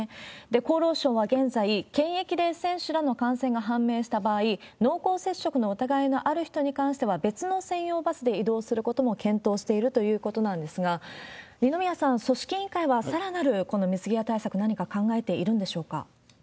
厚労省は現在、検疫で選手らの感染が判明した場合、濃厚接触の疑いのある人に関しては、別の専用バスで移動することも検討しているということなんですが、二宮さん、組織委員会はさらなる、この水際対策、何か考えているんでしょうか。